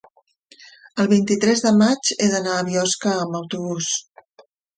el vint-i-tres de maig he d'anar a Biosca amb autobús.